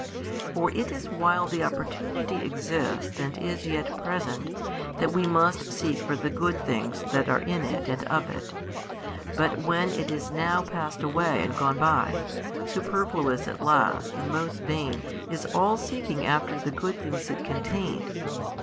For it is while the opportunity exists and is yet present, that we must seek for the good things that are in it and of it, but when it is now |539 passed away and gone by, superfluous at last and most vain is all seeking after the good things it contained.